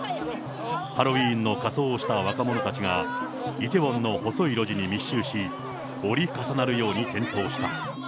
ハロウィーンの仮装をした若者たちが、梨泰院の細い路地に密集し、折り重なるように転倒した。